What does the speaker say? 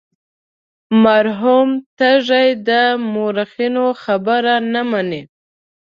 مرحوم تږی د مورخینو خبره نه مني.